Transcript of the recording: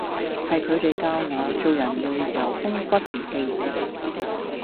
係佢哋教我做人要有風骨同氣節⠀